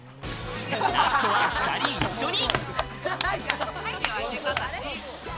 ラストは２人一緒に。